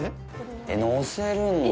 え、のせるんだ。